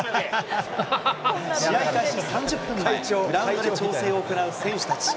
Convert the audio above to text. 試合開始３０分前、グラウンドで調整を行う選手たち。